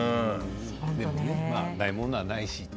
でも、ないものはないし。